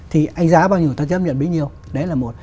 thì giá bao nhiêu người ta chấp nhận bấy nhiêu